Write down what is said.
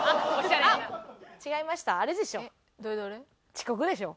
遅刻でしょ。